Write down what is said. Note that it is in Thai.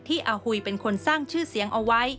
อาหุยเป็นคนสร้างชื่อเสียงเอาไว้